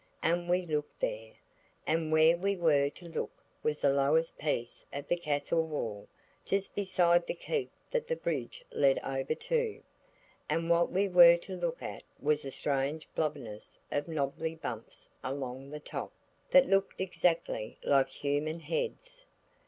and we looked there, and where we were to look was the lowest piece of the castle wall, just beside the keep that the bridge led over to, and what we were to look at was a strange blobbiness of knobbly bumps along the top, that looked exactly like human heads.